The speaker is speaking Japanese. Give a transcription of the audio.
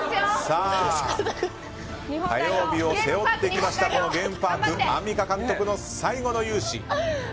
火曜日を背負ってきましたゲームパークアンミカ監督の最後の雄姿。